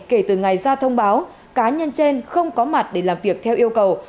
kể từ ngày ra thông báo cá nhân trên không có mặt để làm việc theo yêu cầu